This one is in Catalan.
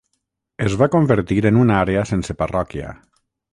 Es va convertir en una àrea sense parròquia.